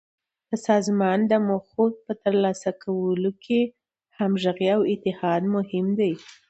د سازمان د موخو په تر لاسه کولو کې همغږي او اتحاد مهم دي.